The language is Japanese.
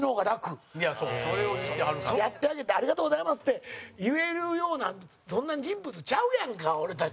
やってあげて「ありがとうございます」って言えるような、そんな人物ちゃうやんか、俺たち。